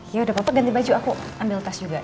ya udah bapak ganti baju aku ambil tas juga